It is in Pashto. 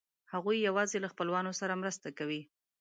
هغوی یواځې له خپلوانو سره مرسته کوي.